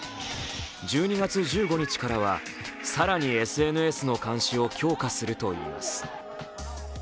１２月１５日からは更にＳＮＳの監視を強化するといいます。